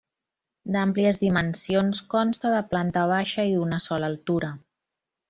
D'àmplies dimensions, consta de planta baixa i d'una sola altura.